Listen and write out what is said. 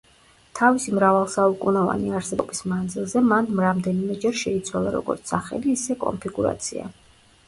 თავისი მრავალსაუკუნოვანი არსებობის მანძილზე მან რამდენიმეჯერ შეიცვალა როგორც სახელი, ისე კონფიგურაცია.